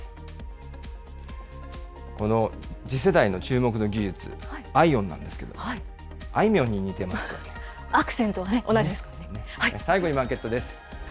この次世代の注目の技術、ＩＯＷＮなんですけれども、あいみアクセントはね、同じですか最後にマーケットです。